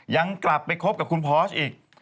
ยังกลับไปคบกับคุณพอสอีก